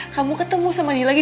kamu ketemu sama dia lagi